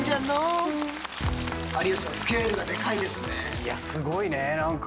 いやすごいね何か。